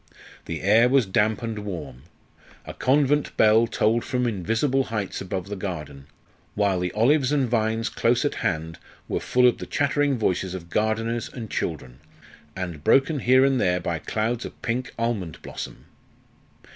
The air was damp and warm. A convent bell tolled from invisible heights above the garden; while the olives and vines close at hand were full of the chattering voices of gardeners and children, and broken here and there by clouds of pink almond blossom.